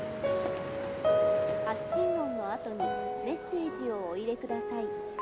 ☎「発信音のあとにメッセージをお入れください」